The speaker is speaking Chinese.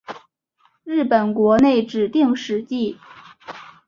日本国内指定史迹。